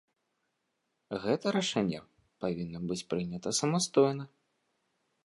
Гэта рашэнне павінна быць прынята самастойна.